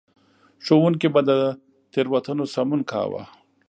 ښوونکي به د تېروتنو سمون کاوه.